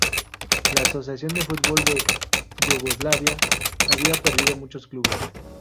La Asociación de Fútbol de Yugoslavia había perdido muchos clubes.